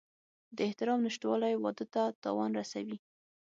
د احترام نشتوالی واده ته تاوان رسوي.